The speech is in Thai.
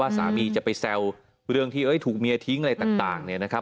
สามีจะไปแซวเรื่องที่ถูกเมียทิ้งอะไรต่างเนี่ยนะครับ